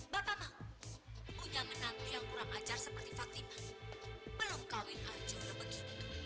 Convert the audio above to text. bapak punya menanti yang kurang ajar seperti fatimah belum kawin aja begitu